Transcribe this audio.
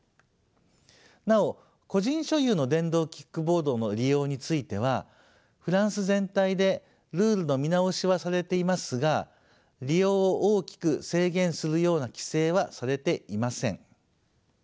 なお個人所有の電動キックボードの利用についてはフランス全体でルールの見直しはされていますが利用を大きく制限するような規制はされていません。